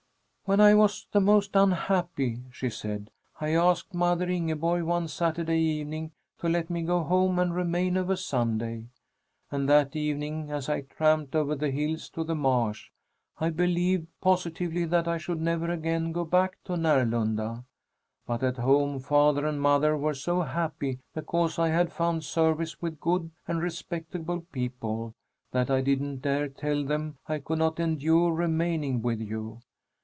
"When I was the most unhappy," she said, "I asked mother Ingeborg one Saturday evening to let me go home and remain over Sunday. And that evening, as I tramped over the hills to the marsh, I believed positively that I should never again go back to Närlunda. But at home father and mother were so happy because I had found service with good and respectable people, that I didn't dare tell them I could not endure remaining with you.